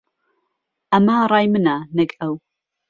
ئەمە ڕای منە، نەک ئەو.